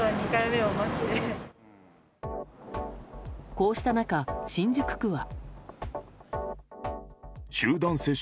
こうした中、新宿区は。